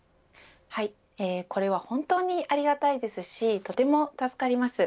これは本当にありがたいですしとても助かります。